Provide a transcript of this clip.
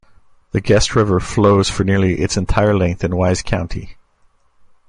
The Guest River flows for nearly its entire length in Wise County.